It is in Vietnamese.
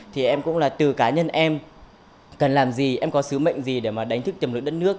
thì em cũng là từ cá nhân em cần làm gì em có sứ mệnh gì để mà đánh thức tiềm lực đất nước